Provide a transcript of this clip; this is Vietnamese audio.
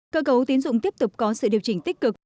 cơ cấu tín dụng tiếp tục có sự điều chỉnh tích cực